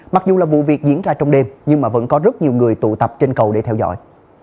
mặc dù là vụ việc diễn ra trong đêm nhưng mà vẫn có rất nhiều người tụ tập trên cầu để theo dõi